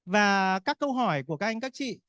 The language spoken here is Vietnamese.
và các câu hỏi của các anh các chị